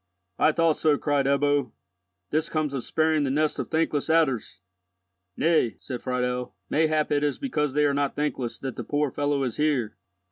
"I thought so," cried Ebbo. "This comes of sparing the nest of thankless adders!" "Nay," said Friedel, "mayhap it is because they are not thankless that the poor fellow is here."